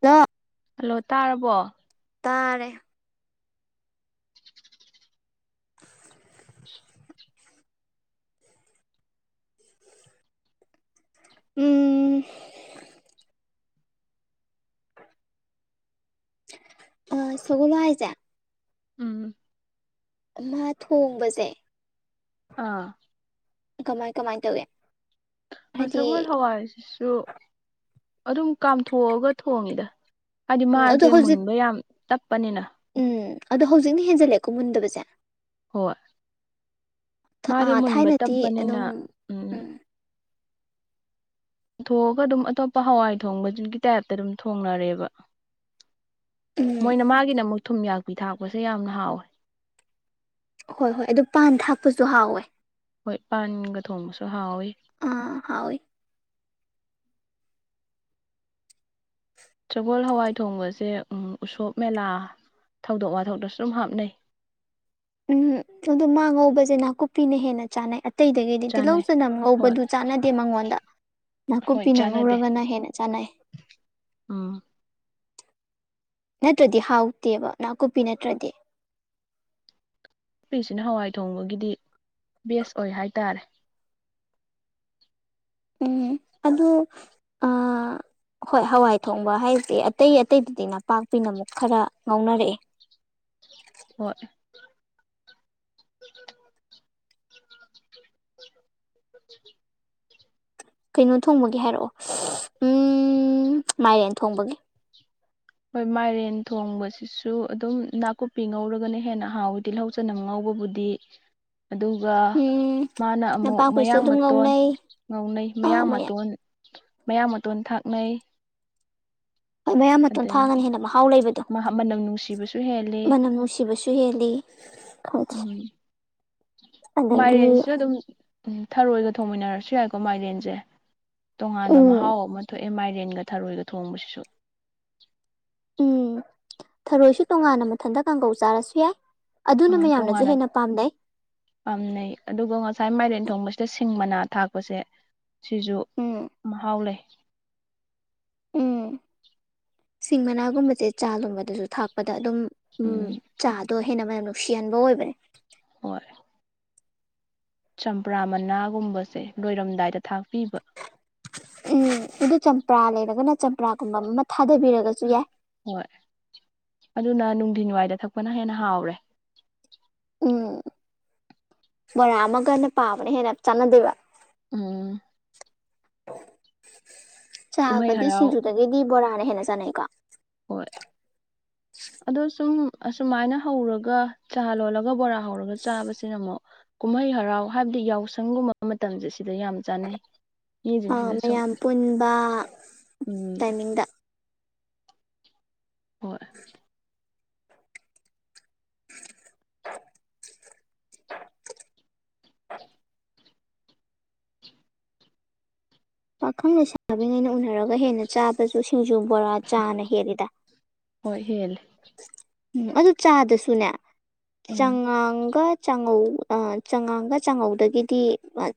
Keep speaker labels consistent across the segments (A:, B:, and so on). A: ꯇ
B: ꯍꯜꯂꯣ ꯇꯥꯔꯕꯣ
A: ꯇꯥꯔꯦ ꯎꯝ ꯑ ꯁꯒ ꯂꯣ ꯍꯥꯏꯖ
B: ꯎꯝ
A: ꯃꯥ ꯊꯣꯡꯕꯁꯦ
B: ꯑꯥ
A: ꯀꯃꯥꯏ ꯀꯃꯥꯏ ꯇꯧꯦ
B: ꯁꯒꯣꯜ ꯍꯋꯥꯏꯁꯤꯁꯨ ꯑꯗꯨꯝ ꯀꯥꯝꯊꯣꯛꯑꯒ ꯊꯣꯡꯉꯤꯗ ꯍꯥꯏꯗꯤ
A: ꯎꯝ
B: ꯃꯥꯁꯦ
A: ꯑꯗꯣ ꯍꯧꯖꯤꯛ
B: ꯃꯨꯟꯕ ꯌꯥꯝ ꯇꯞꯄꯅꯤꯅ
A: ꯎꯝ ꯑꯗꯣ ꯍꯧꯖꯤꯛꯅ ꯍꯦꯟꯖꯜꯂꯛꯑꯦꯀꯣ ꯃꯨꯟꯗꯕꯁꯦ
B: ꯍꯣꯏ ꯃꯥꯗꯤ
A: ꯑꯥ
B: ꯃꯨꯟꯕ
A: ꯊꯥꯏꯅꯗꯤ
B: ꯇꯞꯄꯅꯤꯅ
A: ꯑꯗꯨꯝ
B: ꯎꯝ ꯊꯣꯛꯑꯒ ꯑꯗꯨꯝ ꯑꯇꯣꯞꯄ ꯍꯋꯥꯏ ꯊꯣꯡꯕꯗꯨꯒꯤ ꯇꯥꯏꯞꯇ ꯑꯗꯨꯝ ꯊꯣꯡꯅꯔꯦꯕ
A: ꯎꯝ
B: ꯃꯣꯏꯅ ꯃꯥꯒꯤꯅ ꯑꯃꯨꯛ ꯊꯨꯝ ꯌꯥꯛꯄꯤ ꯊꯥꯛꯄꯁꯦ ꯌꯥꯝꯅ ꯍꯥꯎꯋꯦ
A: ꯍꯣꯏ ꯍꯣꯏ ꯑꯗꯨ ꯄꯥꯟ ꯊꯥꯛꯄꯁꯨ ꯍꯥꯎꯋꯦ
B: ꯍꯣꯏ ꯏꯄꯥꯟꯒ ꯊꯣꯡꯕꯁꯨ ꯍꯥꯎꯋꯤ
A: ꯑꯥ ꯍꯥꯎꯣꯏ
B: ꯇꯕꯣꯜ ꯍꯋꯥꯏ ꯊꯣꯡꯕꯁꯦ ꯎꯁꯣꯞ ꯃꯦꯂꯥ ꯊꯧꯗꯣꯛ ꯋꯥꯊꯣꯛꯇꯁꯨ ꯑꯗꯨꯨꯝ ꯍꯥꯞꯅꯩ
A: ꯎꯝ ꯑꯗꯣ ꯃꯥ ꯉꯧꯕꯁꯦ ꯅꯥꯀꯨꯞꯄꯤꯅ ꯍꯦꯟꯅ ꯆꯥꯅꯩ ꯑꯇꯩꯗꯒꯤꯗꯤ ꯇꯤꯜꯍꯧ
B: ꯆꯥꯅꯩ
A: ꯆꯅꯝ
B: ꯍꯣꯏ
A: ꯉꯧꯕꯗꯨ ꯆꯥꯟꯅꯗꯦ ꯃꯉꯣꯟꯗ ꯅꯥꯀꯨꯞꯄꯤꯅ ꯉꯧꯔꯒꯅ ꯍꯦꯟꯅ ꯆꯥꯟꯅꯩ
B: ꯑ
A: ꯅꯠꯇ꯭ꯔꯗꯤ ꯍꯥꯎꯇꯦꯕ ꯅꯥꯀꯨꯞꯄꯤ ꯅꯠꯇ꯭ꯔꯗꯤ
B: ꯄꯤꯁꯤꯅ ꯍꯋꯥꯏ ꯊꯣꯡꯕꯒꯤꯗꯤ ꯕꯦꯁ ꯑꯣꯏ ꯍꯥꯏꯇꯥꯔꯦ
A: ꯎꯝ ꯑꯗꯨ ꯑ ꯍꯣꯏ ꯍꯋꯥꯏ ꯊꯣꯡꯕ ꯍꯥꯏꯁꯦ ꯑꯇꯩ ꯑꯇꯩꯗꯗꯤ ꯅꯄꯥꯛꯄꯤꯅ ꯑꯃꯨꯛ ꯈꯔ ꯉꯥꯎꯅꯔꯛꯑꯦ
B: ꯍꯣꯏ [inaudible]
A: ꯀꯩꯅꯣ ꯊꯣꯡꯕꯒꯤ ꯍꯥꯏꯔꯛꯑꯣ ꯎ ꯃꯥꯏꯔꯦꯟ ꯊꯣꯡꯕꯒꯤ
B: ꯍꯣꯏ ꯃꯥꯏꯔꯦꯟ ꯊꯣꯡꯕꯁꯤꯁꯨ ꯑꯗꯨꯝ ꯅꯥꯀꯨꯞꯄꯤ ꯉꯧꯔꯒꯅ ꯍꯦꯟꯅ ꯍꯥꯎꯋꯤ ꯇꯤꯜꯍꯧ ꯐꯆꯅ ꯉꯥꯎꯕꯕꯨꯗꯤ ꯑꯗꯨꯒ
A: ꯎꯝ
B: ꯃꯥꯅ ꯑꯃꯨꯛ
A: ꯅꯄꯥꯛꯄꯤꯁꯨ
B: ꯃꯌꯥꯡ
A: ꯑꯗꯨꯝ
B: ꯃꯇꯣꯟ
A: ꯉꯧꯅꯩ
B: ꯉꯧꯅꯩ
A: ꯑꯥ
B: ꯃꯌꯥꯡ
A: ꯃꯌꯥꯝ
B: ꯃꯇꯣꯟ ꯃꯌꯥꯝ ꯃꯇꯣꯟ ꯊꯥꯛꯅꯩ
A: ꯍ ꯃꯌꯥꯝ ꯃꯇꯣ
B: ꯑꯗꯒꯤ
A: ꯊꯥꯡꯒꯅ ꯍꯦꯟꯅ ꯃꯍꯥꯎ ꯂꯩꯕꯗꯣ
B: ꯃꯅꯝ ꯅꯨꯡꯁꯤꯕꯁꯨ ꯍꯦꯜꯂꯤ
A: ꯃꯅꯝ ꯅꯨꯡꯁꯤꯕꯁꯨ ꯍꯦꯜꯂꯤ
B: ꯎꯝ
A: ꯑꯗꯒꯤ
B: ꯃꯥꯏꯔꯦꯟꯁꯤꯁꯨ ꯑꯗꯨꯝ ꯊꯔꯣꯏꯒ ꯊꯣꯡꯃꯤꯟꯅꯔꯁꯨ ꯌꯥꯏꯀꯣ ꯃꯥꯏꯔꯦꯟꯁꯦ ꯇꯣꯉꯥꯟꯕ
A: ꯎꯝ
B: ꯃꯍꯥꯎ ꯑꯃ ꯊꯣꯛꯑꯦ ꯃꯥꯏꯔꯦꯟꯒ ꯊꯔꯣꯏꯒ ꯊꯣꯡꯕꯁꯤꯁꯨ
A: ꯎꯝ ꯊꯔꯣꯏꯁꯨ ꯇꯣꯡꯉꯥꯟꯅ ꯃꯊꯟꯇ ꯀꯥꯡꯒꯧ ꯆꯥꯔꯁꯨ ꯌꯥꯏ ꯑꯗꯨꯅ
B: ꯑ
A: ꯃꯌꯥꯝꯅꯁꯨ
B: ꯇꯣꯉꯅ
A: ꯍꯦꯟꯅ ꯄꯥꯝꯅꯩ
B: ꯄꯥꯝꯅꯩ ꯑꯗꯨꯒ ꯉꯁꯥꯏ ꯃꯥꯏꯔꯦꯟ ꯊꯣꯡꯕꯁꯤꯗ ꯁꯤꯡ ꯃꯅꯥ ꯊꯥꯛꯄꯁꯦ ꯁꯤꯁꯨ
A: ꯎꯝ
B: ꯃꯍꯥꯎ ꯂꯩ
A: ꯎꯝ ꯁꯤꯡ ꯃꯅꯥꯒꯨꯝꯕꯁꯦ ꯆꯥꯒꯨꯝꯕꯗꯁꯨ ꯊꯥꯛꯄꯗ ꯑꯗꯨꯝ ꯎꯝ ꯆꯥꯗꯣ ꯍꯦꯟꯅ ꯃ ꯅꯨꯡꯁꯤꯍꯟꯕ ꯑꯣꯏꯕꯅꯦ
B: ꯍꯣꯏ ꯆꯝꯄ꯭ꯔꯥ ꯃꯅꯥꯒꯨꯝꯕꯁꯦ ꯂꯣꯏꯔꯝꯗꯥꯏꯗ ꯊꯥꯛꯄꯤꯕ
A: ꯎꯝ ꯑꯗꯨ ꯆꯝꯄ꯭ꯔꯥ ꯂꯩꯔꯒꯅ ꯆꯝꯄ꯭ꯔꯥꯒꯨꯝꯕ ꯑꯃ ꯊꯥꯗꯕꯤꯔꯒꯁꯨ ꯌꯥꯏ
B: ꯍꯣꯏ ꯑꯗꯨꯅ ꯅꯨꯡꯊꯤꯟꯋꯥꯏꯗ ꯊꯛꯄꯅ ꯍꯦꯟꯅ ꯍꯥꯎꯔꯦ
A: ꯎꯝ ꯕꯣꯔꯥ ꯑꯃꯒꯟꯅ ꯄꯥꯕꯅ ꯍꯦꯟꯅ ꯆꯥꯟꯅꯗꯦꯕ
B: ꯎꯝ ꯀꯨꯝꯍꯩ
A: ꯆꯥꯒꯗꯤ
B: ꯍꯔꯥꯎ
A: ꯁꯤꯡꯖꯨꯗꯒꯤꯗꯤ ꯕꯣꯔꯥꯅ ꯍꯦꯟꯅ ꯆꯥꯅꯩꯀꯣ
B: ꯍꯣꯏ ꯑꯗꯣ ꯁꯨꯝ ꯑꯁꯨꯃꯥꯏꯅ ꯍꯧꯔꯒ ꯆꯥ ꯂꯣꯜꯂꯒ ꯕꯣꯔꯥ ꯍꯧꯔꯒ ꯆꯥꯕꯁꯤꯅ ꯑꯃꯨꯛ ꯀꯨꯝꯍꯩ ꯍꯔꯥꯎ ꯍꯥꯏꯕꯗꯤ ꯌꯥꯎꯁꯪꯒꯨꯝꯕ ꯃꯇꯝꯁꯦ ꯁꯤꯗ ꯌꯥꯝ ꯆꯥꯟꯅꯩ [unintelligible] ꯁꯨꯝ
A: ꯃꯌꯥꯝ ꯄꯨꯟꯕ
B: ꯎꯝ
A: ꯇꯥꯏꯃꯤꯡꯗ
B: ꯍꯣꯏ
A: [inaudible] [inaudible] ꯄꯥꯈꯪꯅ ꯁꯥꯕꯤꯉꯩꯅ ꯎꯅꯔꯒ ꯍꯦꯟꯅ ꯆꯥꯕꯁꯨ ꯁꯤꯡꯖꯨ ꯕꯣꯔꯥ ꯆꯥꯅ ꯍꯦꯜꯂꯤꯗ
B: ꯍꯣꯏ ꯍꯦꯜꯂꯤ
A: ꯎꯝ ꯑꯗꯨ ꯆꯥꯗꯁꯨꯅꯦ
B: ꯎꯝ
A: ꯆꯉꯥꯡꯒ ꯆꯉꯧ ꯆꯉꯥꯡꯒ ꯆꯥꯉꯧꯗꯒꯤꯗꯤ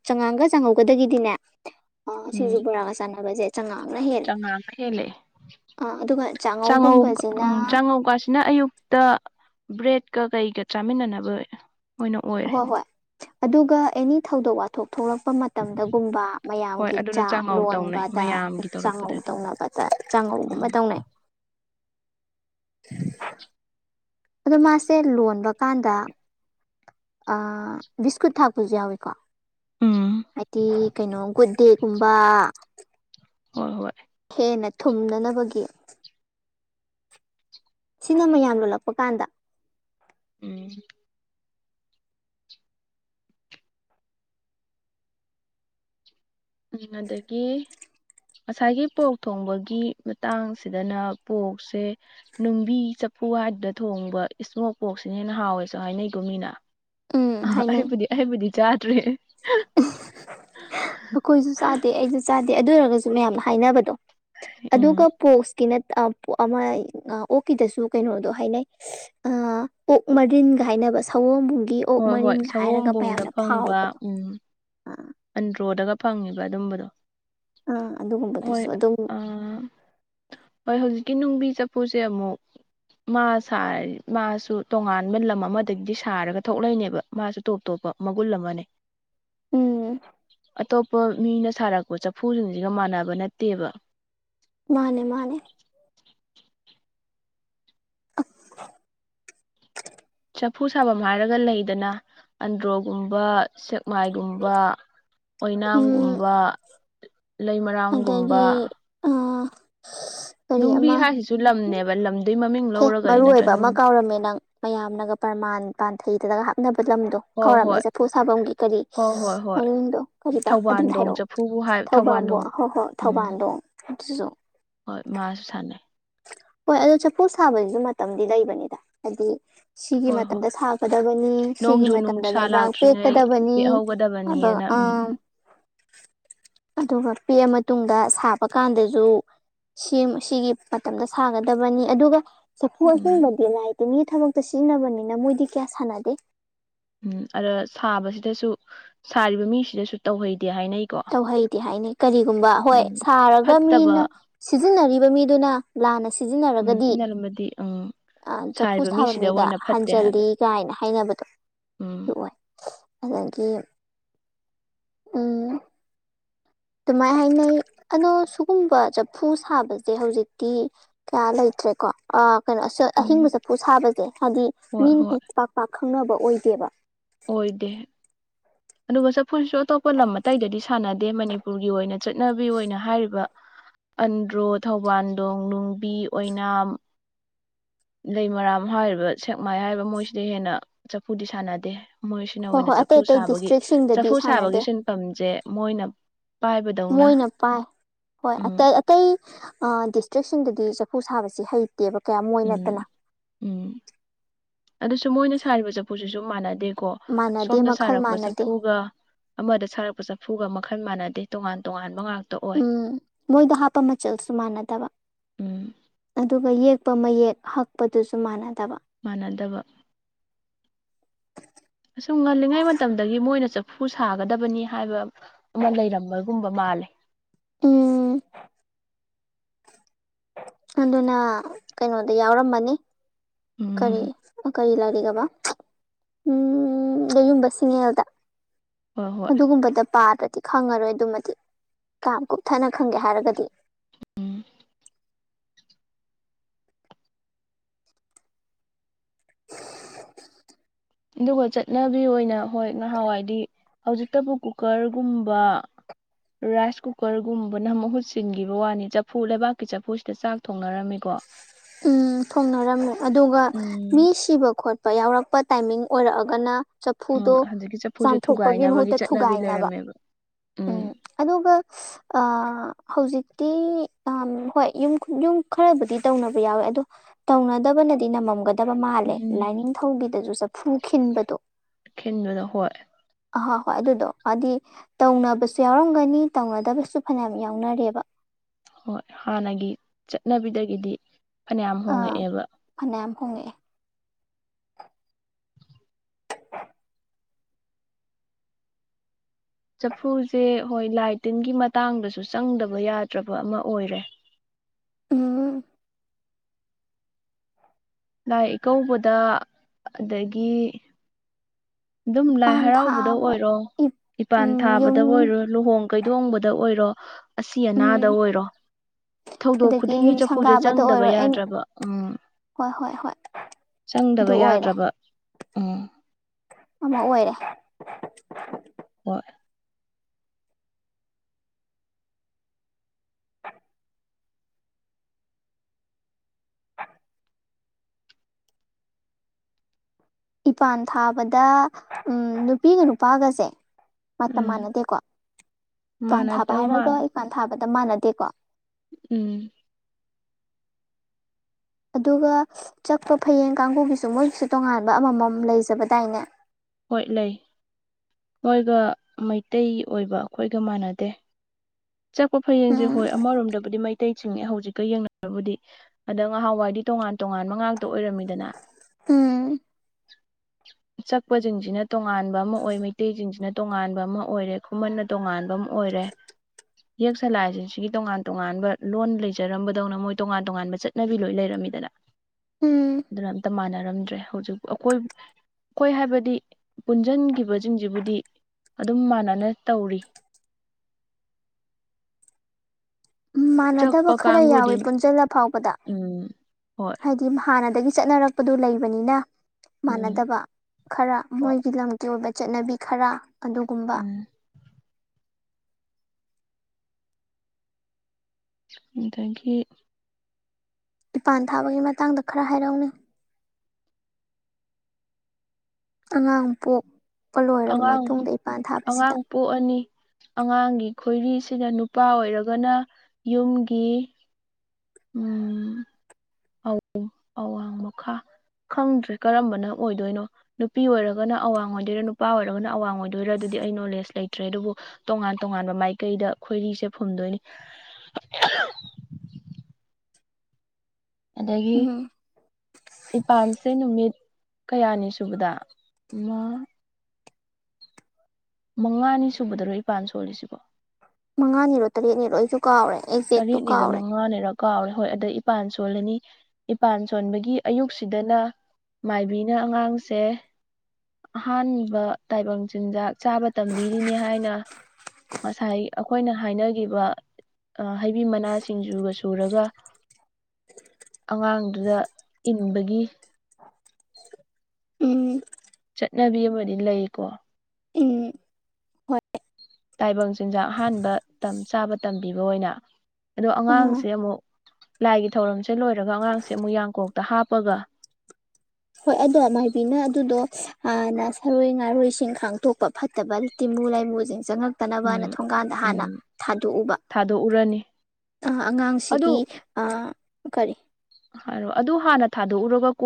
A: ꯆꯉꯥꯡꯒ ꯆꯪꯉꯧꯒꯗꯒꯤꯗꯤꯅꯦ ꯑꯣ ꯁꯤꯡꯖꯨ ꯕꯣꯔꯥꯒ ꯁꯆꯟꯅꯕꯁꯦ ꯆꯉꯝꯅ ꯍꯦꯜ
B: ꯆꯥꯉꯥ ꯅ ꯍꯦꯜꯂꯛꯑꯦ ꯆꯉꯧ
A: ꯆꯥꯉꯧꯒꯨꯝꯕꯁꯤꯅ
B: ꯎꯝ ꯆꯉꯧꯀꯁꯤꯅ ꯑꯌꯨꯛ ꯇ ꯕ꯭ꯔꯦꯗꯀ ꯀꯩꯒ ꯆꯥꯃꯤꯟꯅꯅꯕ ꯑꯣꯏꯅ ꯑꯣꯏꯔꯦ
A: ꯍꯣꯏ ꯍꯣꯏ ꯑꯗꯨꯒ ꯑꯦꯅꯤ ꯊꯧꯗꯣꯛ ꯋꯥꯊ ꯊꯣꯛ ꯊꯣꯛꯂꯛꯄ ꯃꯇꯝꯗꯒꯨꯝꯕ
B: ꯍꯣꯏ
A: ꯃꯌꯥꯝꯒꯤ
B: ꯑꯗꯨꯅ
A: ꯆꯥ
B: ꯆꯥꯉꯧ ꯇꯧꯅꯩ
A: ꯂꯣꯟꯕꯗ
B: ꯃꯌꯥꯝꯒꯤ
A: ꯆꯥꯛꯉꯧ
B: ꯇꯧꯔꯛꯄꯗꯗꯤ
A: ꯇꯧꯅꯕ ꯆꯥꯉꯧ ꯒꯨꯝꯕ
B: ꯎꯝ
A: ꯇꯧꯅꯩ
B: [unintelligible]
A: ꯑꯗꯣ ꯃꯥꯁꯦ ꯂꯣꯟꯕ ꯀꯥꯟꯗ ꯕꯤꯁꯀꯨꯠ ꯊꯥꯛꯄꯁꯨ ꯌꯥꯎꯋꯀꯣ
B: ꯎꯝ
A: ꯍꯥꯏꯗꯤ ꯀꯩꯅꯣ ꯒꯨꯗ ꯗꯦꯒꯨꯝꯕ
B: ꯍꯣꯏ ꯍꯣꯏ
A: ꯍꯦꯟꯅ ꯊꯨꯝꯅꯅꯕꯒꯤ ꯁꯤꯅ ꯃ ꯌꯥꯝ ꯂꯣꯜꯂꯛꯄ ꯀꯥꯟꯗ
B: ꯎꯝ ꯎꯝ ꯑꯗꯒꯤ ꯉꯁꯥꯏꯒꯤ ꯄꯣꯛ ꯊꯣꯡꯕꯒꯤ ꯃꯇꯥꯡꯁꯤꯗꯅ ꯄꯣꯛꯁꯦ ꯅꯨꯡꯕꯤ ꯆꯐꯨ ꯍꯥꯏꯗꯨꯗ ꯊꯣꯡꯕ ꯏꯁꯃꯣꯛ ꯄꯣꯛꯁꯤꯅ ꯍꯦꯟꯅ ꯍꯥꯎꯋꯦꯁꯨ ꯍꯥꯏꯅꯩꯒꯨꯝ ꯃꯤꯅ
A: ꯎꯝ
B: ꯑ
A: ꯍꯥꯏꯅꯩ
B: ꯑꯩꯕꯨꯗꯤ ꯑꯩꯕꯨꯗꯤ ꯆꯥꯗ꯭ꯔꯦ
A: ꯑꯩꯈꯣꯏꯁꯨ ꯆꯥꯗꯦ ꯑꯩꯁꯨ ꯆꯥꯗꯦ ꯑꯗꯨ ꯑꯣꯏꯔꯒꯁꯨ ꯃꯌꯥꯝꯅ ꯍꯥꯏꯅꯕꯗꯣ
B: ꯎꯝ
A: ꯑꯗꯨꯒ ꯄꯣꯛꯁꯀꯤ ꯅ ꯑꯃ ꯑꯣꯛꯀꯤꯗꯁꯨ ꯀꯩꯅꯣꯗꯣ ꯍꯥꯏꯅꯩ ꯑ ꯑꯣꯛ ꯃꯔꯤꯟꯒ ꯍꯥꯏꯅꯕ ꯁꯑꯣꯡꯕꯨꯡꯒꯤ ꯑꯣꯛ
B: ꯍꯣꯏ ꯍꯣꯏ
A: ꯃꯔꯤꯟꯒ ꯍꯥꯏꯔꯒ
B: ꯁꯑꯣꯝꯕꯨꯡꯗ
A: ꯃꯌꯥꯝꯅ
B: ꯐꯪꯕ
A: ꯐꯥꯎꯕꯗꯣ
B: ꯎꯝ
A: ꯑꯥ
B: ꯑꯟꯗ꯭ꯔꯣꯗꯒ ꯐꯪꯉꯤꯕ ꯑꯗꯨꯝꯕꯗꯣ
A: ꯑꯥ
B: ꯍꯣꯏ
A: ꯑꯗꯨꯒꯨꯝꯕꯗꯨꯁꯨ ꯑꯗꯨꯝ
B: ꯑ ꯍꯣꯏ ꯍꯧꯖꯤꯛꯀꯤ ꯅꯨꯡꯕꯤ ꯆꯥꯐꯨꯁꯦ ꯑꯃꯨꯛ ꯃꯥ ꯃꯥꯁꯨ ꯇꯣꯉꯥꯟꯕ ꯂꯝ ꯑꯃꯗꯒꯤꯗꯤ ꯁꯥꯔꯒ ꯊꯣꯛꯂꯛꯏꯅꯦꯕ ꯃꯥꯁꯨ ꯇꯣꯞ ꯇꯣꯞꯄ ꯃꯒꯨꯟ ꯑꯃꯅꯦ
A: ꯎꯝ
B: ꯑꯇꯣꯞꯄ ꯃꯤꯅ ꯁꯥꯔꯛꯄ ꯆꯐꯨꯁꯤꯡꯁꯤꯒ ꯃꯥꯟꯅꯕ ꯅꯠꯇꯦꯕ
A: ꯃꯥꯅꯦ ꯃꯥꯅꯦ
B: ꯆꯐꯨ ꯁꯥꯐꯝ ꯍꯥꯏꯔꯒ ꯂꯩꯗꯅ ꯑꯟꯗ꯭ꯔꯣꯒꯨꯝꯕ ꯁꯦꯛꯃꯥꯏꯒꯨꯝꯕ
A: ꯎꯝ
B: ꯑꯣꯏꯅꯥꯝꯒꯨꯝꯕ ꯂꯩ ꯃꯔꯥꯝꯒꯨꯝꯕ
A: ꯑꯗꯒꯤ ꯑ ꯑꯁ
B: ꯅꯨꯡꯕꯤ ꯍꯥꯏꯁꯤꯁꯨ ꯂꯝꯅꯦꯕ ꯂꯝ
A: ꯍꯦ ꯃꯔꯨꯑꯣꯏꯕ ꯑꯃ ꯀꯥꯎꯔꯝꯃꯦ ꯅꯪ ꯃꯌꯥꯝꯅꯒ ꯄ꯭ꯔꯃꯥꯟ ꯄꯥꯟꯊꯩꯗꯒ ꯍꯥꯞꯅꯕ ꯂꯝꯗꯣ
B: ꯍꯣꯏ ꯍꯣꯏ
A: ꯀꯥꯎꯔꯝꯃꯦ ꯆꯐꯨ ꯁꯥꯐꯝꯒꯤ ꯀꯔꯤ
B: ꯍꯣꯏ ꯍꯣꯏ ꯍꯣꯏ
A: ꯃꯃꯤꯡꯗꯣ ꯀꯔꯤꯕ ꯑꯗꯨꯝꯇꯒ
B: ꯊꯧꯕꯥꯟꯗꯣꯡ
A: ꯍꯥꯏꯔꯛꯑꯣ
B: ꯆꯐꯨꯕꯨ ꯍꯥꯏ ꯊꯧꯕꯥꯟꯗꯣꯡ
A: ꯊꯧꯕꯥꯜꯗꯣꯡ ꯍꯣꯏ ꯍꯣꯏ
B: ꯎꯝ
A: ꯊꯧꯕꯥꯜꯗꯣꯡ ꯑꯗꯨꯁꯨ
B: ꯍꯣꯏ ꯃꯥꯁꯨ ꯁꯥꯟꯅꯩ
A: ꯍꯣꯏ ꯑꯗ ꯆꯥꯐꯨ ꯁꯥꯕꯁꯤꯁꯨ ꯃꯇꯝꯗꯤ ꯂꯩꯕꯅꯤꯗ ꯍꯥꯏꯗꯤ ꯁꯤꯒꯤ
B: ꯍꯣꯏ ꯍꯣꯏ
A: ꯃꯇꯝꯗ ꯁꯥꯒꯗꯕꯅꯤ ꯁꯤꯒꯤ
B: ꯅꯣꯡꯖꯨ
A: ꯃꯇꯝꯗ
B: ꯅꯨꯡꯁꯥ
A: ꯂꯩꯕꯥꯛ
B: ꯂꯥꯛꯇ꯭ꯔꯤꯉꯩ
A: ꯄꯦꯛꯀꯗꯕꯅꯤ ꯑꯗꯣ
B: ꯍꯦꯛꯍꯧꯒꯗꯕꯅꯤꯅ
A: ꯑ
B: [inaudible]
A: ꯑꯗꯨꯒ ꯄꯦꯛꯑ ꯃꯇꯨꯡꯗ ꯁꯥꯕ ꯀꯥꯟꯗꯁꯨ ꯁꯤ ꯁꯤꯒꯤ ꯃꯇꯝꯗ ꯁꯥꯒꯗꯕꯅꯤ ꯑꯗꯨꯒ ꯆꯐꯨ
B: ꯎꯝ
A: ꯑꯁꯦꯡꯕꯗꯤ ꯂꯥꯏ ꯒꯤ ꯊꯕꯛꯇ ꯁꯤꯖꯤꯟꯅꯕꯅꯤꯅ ꯃꯣꯏꯗꯤ ꯀꯌꯥ ꯁꯥꯟꯅꯗꯦ
B: ꯎꯝ ꯑꯗ ꯁꯥꯕꯁꯤꯗꯁꯨ ꯁꯥꯔꯤꯕ ꯃꯤꯁꯤꯗꯁꯨ ꯇꯧꯍꯩꯗꯦ ꯍꯥꯏꯅꯩꯀꯣ
A: ꯇꯧꯍꯩꯗꯦ ꯍꯥꯏꯅꯩ ꯀꯔꯤꯒꯨꯝꯕ ꯍꯣꯏ
B: ꯎꯝ
A: ꯁꯥꯔꯒ
B: ꯐꯠꯇꯕ
A: ꯃꯤꯅ ꯁꯤꯖꯤꯟꯅꯔꯤꯕ ꯃꯤꯗꯨꯅ ꯂꯥꯟꯅ
B: ꯎꯝ
A: ꯁꯤꯖꯤꯟꯅꯔꯒꯗꯤ
B: ꯏꯟꯅꯔꯝꯃꯗꯤ ꯎꯝ
A: ꯆꯐꯨ
B: ꯁꯥꯔꯤꯕ
A: ꯁꯥꯕ
B: ꯃꯤꯁꯤꯗ
A: ꯃꯤꯗ
B: ꯑꯣꯏꯅ ꯐꯠꯇꯦ
A: ꯍꯟꯖꯤꯜꯂꯤ
B: ꯍꯥꯏꯕ
A: ꯀꯥꯏꯅ ꯍꯥꯏꯅꯕꯗꯣ
B: ꯎꯝ
A: ꯑꯗꯨ ꯑꯣꯏ ꯑꯗꯒꯤ ꯎꯝ ꯑꯗꯨꯃꯥꯏ ꯍꯥꯏꯅꯩ ꯑꯗꯣ ꯁꯨꯒꯨꯝꯕ ꯆꯐꯨ ꯁꯥꯕꯁꯦ ꯍꯧꯖꯤꯛꯇꯤ ꯀꯌꯥ ꯂꯩꯇ꯭ꯔꯦ ꯀꯣ ꯀꯩꯅꯣ
B: ꯎꯝ
A: ꯑꯍꯤꯡꯕ ꯆꯐꯨ ꯁꯥꯕꯁꯦ ꯍꯥꯏꯗꯤ
B: ꯍꯣꯏ
A: ꯃꯤꯅ
B: ꯍꯣꯏ
A: ꯍꯦꯛ ꯄꯥꯛ ꯄꯥꯛ ꯈꯪꯅꯕ ꯑꯣꯏꯗꯦꯕ
B: ꯑꯣꯏꯗꯦ ꯑꯗꯨꯒ ꯆꯐꯨꯁꯨ ꯑꯇꯣꯞꯄ ꯂꯝ ꯑꯇꯩꯗꯗꯤ ꯁꯥꯟꯅꯗꯦ ꯃꯅꯤ ꯄꯨꯔꯒꯤ ꯑꯣꯏꯅ ꯆꯠꯅꯕꯤ ꯑꯣꯏꯅ ꯍꯥꯏꯔꯤꯕ ꯑꯟꯗ꯭ꯔꯣ ꯊꯧꯕꯥꯜꯗꯣꯡ ꯅꯨꯡꯕꯤ ꯑꯣꯏꯅꯥꯝ ꯂꯩꯃꯔꯥꯝ ꯍꯥꯏꯔꯤꯕ ꯁꯦꯛꯃꯥꯏ ꯍꯥꯏꯔꯤꯕ ꯃꯣꯏꯁꯤꯗ ꯍꯦꯟꯅ ꯆꯐꯨꯗꯤ ꯁꯥꯟꯅꯗꯦ ꯃꯣꯏꯁꯤꯅ
A: ꯍꯣꯏ
B: ꯑꯣꯏꯅ
A: ꯍꯣꯏ ꯑꯇꯩ
B: ꯆꯐꯨ
A: ꯑꯇꯩ
B: ꯁꯥꯕꯒꯤ
A: ꯗꯤꯁꯇ꯭ꯔꯤꯛꯁꯤꯡꯗꯗꯤ
B: ꯆꯐꯨ ꯁꯥꯕꯒꯤ
A: ꯁꯥꯟꯅꯗꯦ
B: ꯁꯤꯟꯐꯝꯁꯦ ꯃꯣꯏꯅ ꯄꯥꯏꯕꯗꯧꯅ
A: ꯃꯣꯏꯅ ꯄꯥꯏ ꯍꯣꯏ
B: ꯎꯝ
A: ꯑꯇꯩ ꯑꯇꯩ ꯗꯤꯁꯇ꯭ꯔꯤꯛ ꯁꯤꯡꯗꯗꯤ ꯆꯐꯨ ꯁꯥꯕꯁꯤ ꯍꯩ ꯇꯦꯕ ꯃꯣꯏ
B: ꯎꯝ
A: ꯅꯠꯇꯅ
B: ꯎꯝ ꯑꯗꯨꯁꯨ ꯃꯣꯏꯅ ꯁꯥꯔꯤꯕ ꯆꯐꯨꯁꯤꯁꯨ ꯃꯥꯟꯅꯗꯦ ꯀꯣ
A: ꯃꯥꯟꯅꯗꯦ
B: ꯁꯣꯝꯗ
A: ꯃꯈꯜ
B: ꯁꯥꯔꯛꯄ
A: ꯃꯥꯟꯅꯗꯦ
B: ꯆꯐꯨꯒ ꯑꯃꯗ ꯁꯥꯔꯛꯄ ꯆꯐꯨꯒ ꯃꯈꯜ ꯃꯥꯟꯅꯗꯦ ꯇꯣꯉꯥꯟ ꯇꯣꯉꯥꯟꯕ ꯉꯥꯛꯇ ꯑꯣꯏ
A: ꯎꯝ ꯃꯣꯏꯗ ꯍꯥꯞꯄ ꯃꯆꯜꯁꯨ ꯃꯥꯟꯅꯗꯕ
B: ꯎꯝ
A: ꯑꯗꯨꯒ ꯌꯦꯛꯄ ꯃꯌꯦꯛ ꯍꯛꯄꯗꯨꯁꯨ ꯃꯥꯟꯅꯗꯕ
B: ꯃꯥꯟꯅꯗꯕ ꯁꯨꯝ ꯉꯜꯂꯤꯉꯩ ꯃꯇꯝꯗꯒꯤ ꯃꯣꯏꯅ ꯆꯐꯨ ꯁꯥꯒꯗꯕꯅꯤ ꯍꯥꯏꯕ ꯑꯃ ꯂꯩꯔꯝꯕꯒꯨꯝꯕ ꯃꯥꯜꯂꯦ
A: ꯎꯝ ꯑꯗꯨꯅ ꯀꯩꯅꯣꯗ ꯌꯥꯎꯔꯝꯃꯅꯤ ꯀꯔꯤ
B: ꯎꯝ
A: ꯀꯔꯤ ꯂꯥꯏꯔꯤꯛꯑꯕ ꯎꯝ [unintelligible] ꯁꯤꯡꯉꯦꯜꯗ
B: ꯍꯣꯏ ꯍꯣꯏ
A: ꯑꯗꯨꯒꯨꯝꯕꯗ ꯄꯥꯗꯗꯤ ꯈꯪꯉꯔꯣꯏ ꯑꯗꯨꯃꯗꯤ ꯌꯥꯝ ꯀꯨꯞꯊꯅ ꯈꯪꯒꯦ ꯍꯥꯏꯔꯒꯗꯤ
B: ꯎꯝ ꯑꯗꯨꯒ ꯆꯠꯅꯕꯤ ꯑꯣꯏꯅ ꯍꯣꯏ ꯅꯍꯥꯟꯋꯥꯏꯗꯤ ꯍꯧꯖꯤꯛꯇꯕꯨ ꯀꯨꯀꯔꯒꯨꯝꯕ ꯔꯥꯏꯁ ꯀꯨꯀꯔꯒꯨꯝꯕꯅ ꯃꯍꯨꯠ ꯁꯤꯟꯈꯤꯕ ꯋꯥꯅꯤ ꯆꯐꯨ ꯂꯩꯕꯥꯛꯀꯤ ꯆꯐꯨꯁꯤꯗ ꯆꯥꯛ ꯊꯣꯡꯅꯔꯝꯃꯤꯀꯣ
A: ꯎꯝ ꯊꯣꯡꯅꯔꯝꯃꯦ ꯑꯗꯨꯒ
B: ꯎꯝ
A: ꯃꯤ ꯁꯤꯕ ꯈꯣꯠ ꯌꯥꯎꯔꯛꯄ ꯇꯥꯏꯃꯤꯡ ꯑꯣꯏꯔꯛꯑꯒꯅ
B: ꯎꯝ
A: ꯆꯐꯨꯗꯣ
B: ꯍꯧꯖꯤꯛꯀꯤ ꯆꯐꯨꯁꯦ
A: ꯆꯥꯝꯊꯣꯛꯄꯒꯤ
B: ꯊꯨꯒꯥꯏꯅꯕꯒꯤ
A: ꯃꯍꯨꯠꯇ
B: ꯆꯠꯅꯕꯤ
A: ꯊꯨꯒꯥꯏꯅꯕ
B: ꯂꯩꯔꯝꯃꯦꯕ
A: ꯎꯝ ꯑꯗꯨꯒ ꯑꯥ ꯍꯧꯖꯤꯛꯇꯤ ꯍꯣꯏ ꯌꯨꯝ ꯌꯨꯝ ꯈꯔꯕꯨꯗꯤ ꯇꯧꯅꯕ ꯌꯥꯎꯋꯦ ꯑꯗꯣ ꯇꯧꯅꯗꯕꯅꯗꯤ ꯅꯃꯝꯒꯗꯕ ꯃꯥꯜꯂꯦ
B: ꯎꯝ
A: ꯂꯥꯏꯅꯤꯡ ꯊꯧꯒꯤꯗꯁꯨ ꯆꯐꯨ ꯈꯤꯟꯕꯗꯣ
B: ꯈꯤꯟꯕꯗꯣ ꯍꯣꯏ
A: ꯑꯍ ꯍꯣꯏ ꯑꯗꯨꯗꯣ ꯃꯥꯗꯤ ꯇꯧꯅꯕꯁꯨ ꯌꯥꯎꯔꯝꯒꯅꯤ ꯇꯧꯅꯗꯕꯁꯨ ꯐꯅꯌꯥꯝ ꯌꯥꯎꯅꯔꯦꯕ
B: ꯍꯣꯏ ꯍꯥꯟꯅꯒꯤ ꯆꯠꯅꯕꯤꯗꯒꯤꯗꯤ ꯐꯅꯌꯥꯝ
A: ꯑꯥ
B: ꯍꯣꯡꯉꯛꯑꯦꯕ
A: ꯐꯅꯌꯥꯝ ꯍꯣꯡꯉꯛꯑꯦ
B: ꯆꯐꯨꯁꯦ ꯍꯣꯏ ꯂꯥꯏ ꯇꯤꯟꯒꯤ ꯃꯇꯥꯡꯗꯁꯨ ꯆꯪꯗꯕ ꯌꯥꯗ꯭ꯔꯕ ꯑꯃ ꯑꯣꯏꯔꯦ
A: ꯎꯝ
B: ꯂꯥꯏ ꯏꯀꯧꯕꯗ ꯑꯗꯒꯤ ꯑꯗꯨꯝ ꯂꯥꯏ
A: ꯄꯥꯟ
B: ꯍꯔꯥꯎꯕꯗ
A: ꯊꯥꯕ
B: ꯑꯣꯏꯔꯣ ꯏꯄꯥꯟ
A: ꯎꯝ ꯌꯨꯝ
B: ꯊꯥꯕꯗ ꯑꯣꯏꯔꯣ ꯂꯨꯍꯣꯡ ꯀꯩꯗꯣꯡꯕꯗ ꯑꯣꯏꯔꯣ ꯑꯁꯤ ꯑꯅꯥꯗ
A: ꯎꯝ
B: ꯑꯣꯏꯔꯣ ꯊꯧꯗꯣꯛ
A: ꯑꯗꯒꯤ
B: ꯈꯨꯗꯤꯡꯒꯤ
A: ꯌꯨꯝ
B: ꯆꯐꯨꯁꯦ
A: ꯁꯪꯒꯥꯕꯗ
B: ꯆꯪꯗꯕ
A: ꯑꯣꯏꯔꯣ ꯑꯦꯟ
B: ꯌꯥꯗ꯭ꯔꯕ ꯎꯝ
A: ꯍꯣꯏ ꯍꯣꯏ ꯍꯣꯏ
B: ꯆꯪꯗꯕ
A: ꯑꯗꯨ ꯑꯣꯏꯔꯦ
B: ꯌꯥꯗ꯭ꯔꯕ ꯎꯝ
A: ꯑꯃ ꯑꯣꯏꯔꯦ
B: ꯍꯣꯏ
A: ꯏꯄꯥꯟ ꯊꯥꯕꯗ ꯎꯝ ꯅꯨꯄꯤꯒ ꯅꯨꯄꯥꯒꯁꯦ ꯃꯇꯝ
B: ꯎꯝ
A: ꯃꯥꯟꯅꯗꯦꯀꯣ ꯏꯄꯥꯟ ꯊꯥꯕ
B: ꯃꯥꯟꯅꯗꯕ
A: ꯍꯥꯏꯔꯒ
B: ꯃꯥꯜꯂꯦ
A: ꯏꯄꯥꯟ ꯊꯥꯕꯗ ꯃꯥꯟꯅꯗꯦꯀꯣ
B: ꯎꯝ
A: ꯑꯗꯨꯒ ꯆꯛꯄ ꯐꯌꯦꯡ ꯀꯥꯡꯕꯨꯒꯤꯁꯨ ꯃꯣꯏꯒꯤꯁꯨ ꯇꯣꯉꯥꯟꯕ ꯑꯃꯃꯝ ꯂꯩꯖꯕꯗꯥꯏꯅꯦ
B: ꯍꯣꯏ ꯂꯩ ꯃꯣꯏꯒ ꯃꯩꯇꯩ ꯑꯣꯏꯕ ꯑꯩꯈꯣꯏꯒ ꯃꯥꯟꯅꯗꯦ ꯆꯛꯄ ꯐꯌꯦꯡꯁꯦ
A: ꯎꯝ
B: ꯍꯣꯏ ꯑꯃꯔꯣꯝꯗꯕꯨꯗꯤ ꯃꯩꯇꯩꯆꯤꯡꯉꯦ ꯍꯧꯖꯤꯛꯀ ꯌꯦꯡꯅꯕꯨꯗꯤ ꯑꯗ ꯉꯍꯥꯟꯋꯥꯏꯗꯤ ꯇꯣꯉꯥꯟ ꯇꯣꯉꯥꯟꯕ ꯉꯥꯛꯇ ꯑꯣꯏꯔꯝꯃꯤꯗꯅ
A: ꯎꯝ
B: ꯆꯛꯄꯁꯤꯡꯁꯤꯅ ꯇꯣꯉꯥꯟꯕ ꯑꯃ ꯑꯣꯏ ꯃꯩꯇꯩꯁꯤꯡꯁꯤꯅ ꯇꯣꯉꯥꯟꯕ ꯑꯃ ꯑꯣꯏꯔꯦ ꯈꯨꯃꯟꯅ ꯇꯣꯉꯥꯟꯕ ꯑꯃ ꯑꯣꯏꯔꯦ ꯌꯦꯛ ꯁꯂꯥꯏꯁꯤ ꯁꯤꯒꯤ ꯇꯣꯉꯥꯟ ꯇꯣꯉꯥꯟꯕ ꯂꯣꯟ ꯂꯩꯖꯔꯝꯕꯗꯧꯅ ꯃꯣꯏ ꯇꯣꯉꯥꯟ ꯇꯣꯉꯥꯟꯕ ꯆꯠ ꯅꯕꯤ ꯂꯣꯏ ꯂꯩꯔꯝꯃꯤꯗꯅ
A: ꯎꯝ
B: ꯑꯗꯨꯅ ꯑꯝꯇ ꯃꯥꯟꯅꯔꯝꯗ꯭ꯔꯦ ꯍꯧꯖꯤꯛꯄꯨ ꯑꯈꯣꯏ ꯀꯣꯏ ꯍꯥꯏꯕꯗꯤ ꯄꯨꯟꯖꯟꯒꯤꯕ ꯖꯤꯡꯖꯤꯕꯨꯗꯤ ꯑꯗꯨꯝ ꯃꯥꯟꯅꯅ ꯇꯧꯔꯤ
A: ꯃꯥꯟꯅꯗꯕ
B: ꯆꯛꯄ
A: ꯈꯔ
B: ꯀꯥꯡꯕꯨꯗꯤ
A: ꯌꯥꯎꯌꯦ ꯄꯨꯟꯖꯜꯂ ꯐꯥꯎꯕꯗ
B: ꯎꯝ ꯍꯣꯏ
A: ꯍꯥꯏ ꯏꯝ ꯍꯥꯟꯅꯗꯒꯤ ꯆꯠꯅꯔꯛꯄꯗꯨ ꯂꯩꯕꯅꯤꯅ
B: ꯎꯝ
A: ꯃꯥꯟꯅꯗꯕ ꯈꯔ
B: ꯍꯣꯏ
A: ꯃꯣꯏꯒꯤ ꯂꯝꯇ꯭ꯌꯨꯕ ꯆꯠꯅꯕꯤ ꯈꯔ ꯑꯗꯨꯒꯨꯝꯕ
B: ꯎꯝ ꯑꯗꯒꯤ
A: ꯏꯄꯥꯟ ꯊꯥꯕꯒꯤ ꯃꯇꯥꯡꯗ ꯈꯔ ꯍꯥꯏꯔꯛꯎꯅꯦ ꯑꯉꯥꯡ ꯄꯣꯛꯄ ꯂꯣꯏꯔꯕ
B: ꯑꯉꯥꯡ
A: ꯃꯇꯨꯡꯗ ꯏꯄꯥꯟ ꯊꯥꯕꯁꯤꯗ
B: ꯑꯉꯥꯡ ꯄꯣꯛꯑꯅꯤ ꯑꯉꯥꯡꯒꯤ ꯈꯣꯏꯔꯤꯁꯤꯅ ꯅꯨꯄꯥ ꯑꯣꯏꯔꯒꯅ ꯌꯨꯝꯒꯤ ꯎꯝ ꯑꯥꯎ ꯑꯋꯥꯡ ꯃꯈꯥ ꯈꯪꯗ꯭ꯔꯦ ꯀꯔꯝꯕꯅ ꯑꯣꯏꯗꯣꯏꯅꯣ ꯅꯨꯄꯤ ꯑꯣꯏꯔꯒꯅ ꯑꯋꯥꯡ ꯑꯣꯏꯗꯣꯏꯔ ꯅꯨꯄꯥ ꯑꯣꯏꯔꯒꯅ ꯑꯋꯥꯡ ꯑꯣꯏꯗꯣꯏꯔꯥ ꯑꯗꯨꯗꯤ ꯑꯩ ꯅꯣꯂꯦꯖ ꯂꯩꯇ꯭ꯔꯦ ꯑꯗꯨꯕꯨ ꯇꯣꯉꯥꯟ-ꯇꯣꯉꯥꯟꯕ ꯃꯥꯏꯀꯩꯗ ꯈꯣꯏꯔꯤꯁꯦ ꯐꯨꯝꯗꯣꯏꯅꯤ꯫ ꯑꯗꯒꯤ
A: ꯎꯝ
B: ꯅꯤꯄꯥꯥꯟꯁꯦ ꯅꯨꯃꯤꯠ ꯀꯌꯥꯅꯤ ꯁꯨꯕꯗ ꯃꯉꯥꯅꯤ ꯁꯨꯕꯗꯔꯣ ꯏꯄꯥꯟ ꯁꯣꯜꯂꯤꯁꯤꯕꯣ
A: ꯃꯉꯥꯅꯤꯔꯣ ꯇꯔꯦꯠꯅꯤꯔꯣ ꯑꯩꯁꯨ ꯀꯥꯎꯔꯦ ꯑꯦꯛꯖꯦꯛꯇꯣ
B: ꯇꯔꯦꯠꯅꯤꯔ
A: ꯀꯥꯎꯔꯦ
B: ꯃꯉꯥꯅꯤꯔ ꯀꯥꯎꯔꯦ ꯍꯣꯏ ꯑꯗꯩ ꯏꯄꯥꯟ ꯁꯣꯜꯂꯅꯤ ꯏꯄꯥꯟ ꯁꯣꯟꯕꯒꯤ ꯑꯌꯨꯛꯁꯤꯗꯅ ꯃꯥꯏꯕꯤꯅ ꯑꯉꯥꯡꯁꯦ ꯑꯍꯥꯟꯕ ꯇꯥꯏꯕꯪ ꯆꯤꯟꯖꯥꯛ ꯆꯥꯕ ꯇꯝꯕꯤꯔꯤꯅꯤ ꯍꯥꯏꯅ ꯉꯁꯥꯏ ꯑꯩꯈꯣꯏꯅ ꯍꯥꯏꯅꯈꯤꯕ ꯍꯩꯕꯤ ꯃꯅꯥ ꯁꯤꯡꯖꯒ ꯁꯨꯔꯒ ꯑꯉꯥꯡꯗꯨꯗ ꯏꯟꯕꯒꯤ
A: ꯎꯝ
B: ꯆꯠꯅꯕꯤ ꯑꯃꯗꯤ ꯂꯩꯀꯣ
A: ꯎꯝ ꯍꯣꯏ
B: ꯇꯥꯏꯕꯪ ꯆꯤꯟꯖꯥꯛ ꯑꯍꯥꯟꯕ ꯇꯝ ꯆꯥꯕ ꯇꯝꯕꯤꯕ ꯑꯣꯏꯅ ꯑꯗꯣ
A: ꯎꯝ
B: ꯑꯉꯥꯡꯁꯦ ꯑꯃꯨꯛ ꯂꯥꯏꯒꯤ ꯊꯧꯔꯝꯁꯦ ꯂꯣꯏꯔꯒ ꯑꯉꯥꯡꯁꯦ ꯑꯃꯨꯌꯥꯡꯀꯣꯛꯇ ꯍꯥꯞꯄꯒ
A: ꯍꯣꯏ ꯑꯗꯣ ꯃꯥꯏꯕꯤꯅ ꯑꯗꯨꯗꯣ ꯍꯥꯟꯅ ꯁꯥꯔꯣꯏ ꯉꯥꯔꯣꯏꯁꯤꯡ ꯈꯥꯡꯇꯣꯛꯄ ꯐꯠꯇꯕ ꯇꯤꯃꯨ ꯂꯩꯃꯨꯁꯤꯡ ꯆꯪꯉꯛꯇꯅꯕꯅ
B: ꯎꯝ
A: ꯊꯣꯡꯒꯥꯟꯗ
B: ꯎꯝ
A: ꯍꯥꯟꯅ ꯊꯥꯗꯣꯛꯎꯕ
B: ꯊꯥꯗꯣꯛꯎꯔꯅꯤ ꯑꯗꯨ
A: ꯑꯉꯥꯡꯁꯤꯒꯤ ꯀꯔꯤ
B: ꯍꯥꯏꯔꯣ ꯑꯗꯨ ꯍꯥꯟꯅ ꯊꯥꯗꯣꯛꯎꯔꯒ